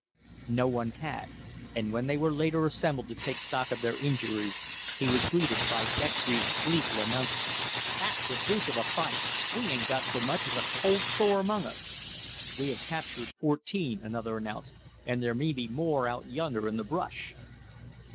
No one had, and when they were later assembled to take stock of their injuries he was greeted by Dextry's gleeful announcement: "That's the deuce of a fight. We 'ain't got so much as a cold sore among us." "We have captured fourteen," another announced, "and there may be more out yonder in the brush."